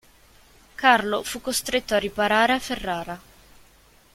Carlo fu costretto a riparare a Ferrara.